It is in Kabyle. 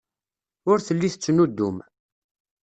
Ur telli tettnuddum.